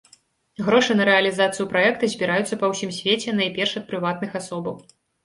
Грошы на рэалізацыю праекта збіраюцца па ўсім свеце найперш ад прыватных асобаў.